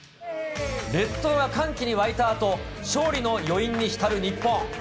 列島が歓喜に沸いたあと、勝利の余韻に浸る日本。